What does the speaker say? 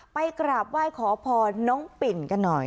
ไปกราบไหว้ขอพรน้องปิ่นกันหน่อย